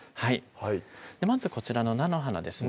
まずこちらの菜の花ですね